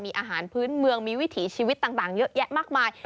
มีอาหารพื้นเมืองมีวิถีชีวิตต่างเยอะแยะมากมาย